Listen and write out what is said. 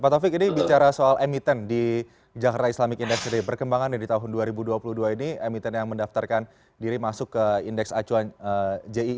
pak taufik ini bicara soal emiten di jakarta islamic index day perkembangan di tahun dua ribu dua puluh dua ini emiten yang mendaftarkan diri masuk ke indeks acuan ji